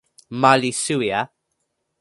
ma li suwi a.